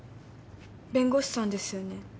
弁護士さんですよね？